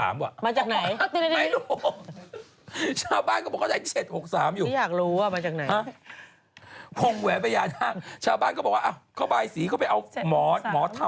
มาจากไหน